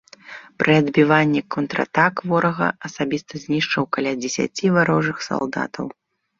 Пры адбіванні контратак ворага асабіста знішчыў каля дзесяці варожых салдатаў.